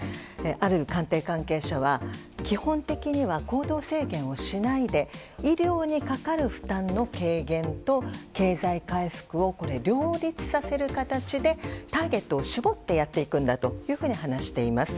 ある官邸関係者は基本的には行動制限をしないで医療にかかる負担の軽減と経済回復を両立させる形でターゲットを絞ってやっていくんだと話しています。